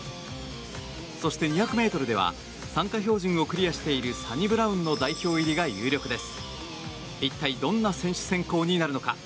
そして２００ｍでは参加標準をクリアしているサニブラウンの代表が有力です。